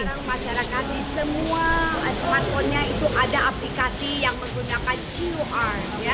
sekarang masyarakat di semua smartphone nya itu ada aplikasi yang menggunakan qr